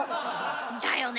だよね。